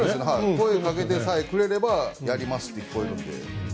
声掛けてさえくれればやりますってとれますので。